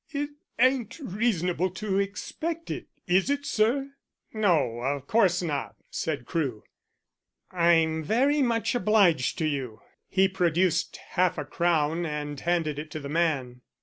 It ain't reasonable to expect it, is it, sir?" "No, of course not," said Crewe. "I'm very much obliged to you." He produced half a crown and handed it to the man.